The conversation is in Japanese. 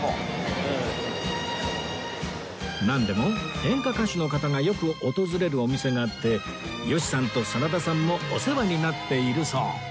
なんでも演歌歌手の方がよく訪れるお店があって吉さんと真田さんもお世話になっているそう